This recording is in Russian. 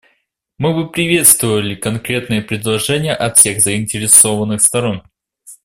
Мы бы приветствовали конкретные предложения от всех заинтересованных сторон.